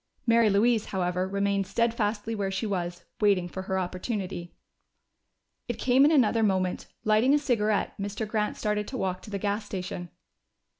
Mary Louise, however, remained steadfastly where she was, waiting for her opportunity. It came in another moment. Lighting a cigarette, Mr. Grant started to walk to the gas station.